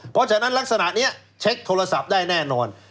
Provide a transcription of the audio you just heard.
เพราะฉะนั้นลักษณะนี้เช็คโทรศัพท์ได้แน่นอน